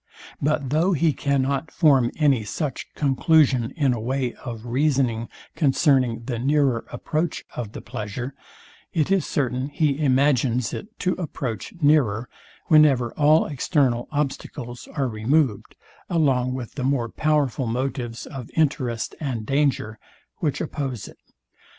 But though he cannot form any such conclusion in a way of reasoning concerning the nearer approach of the pleasure, it is certain he imagines it to approach nearer, whenever all external obstacles are removed, along with the more powerful motives of interest and danger, which oppose it.